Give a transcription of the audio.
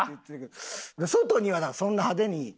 外にはだからそんな派手に。